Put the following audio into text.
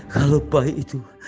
kalau bayi itu